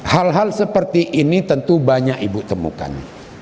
hal hal seperti ini tentu banyak ibu temukan